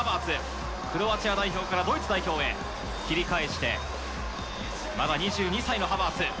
クロアチア代表からドイツ代表へ、切り替えして、まだ２２歳のハバーツ。